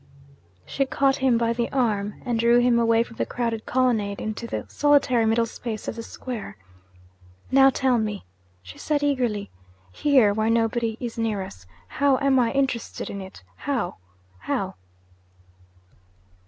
She caught him by the arm, and drew him away from the crowded colonnade into the solitary middle space of the square. 'Now tell me!' she said eagerly. 'Here, where nobody is near us. How am I interested in it? How? how?'